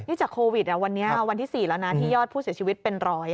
นี่จากโควิดวันนี้วันที่๔แล้วนะที่ยอดผู้เสียชีวิตเป็น๑๐๐